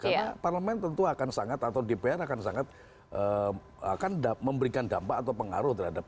karena parlemen tentu akan sangat atau dpr akan sangat akan memberikan dampak atau pengaruh terhadap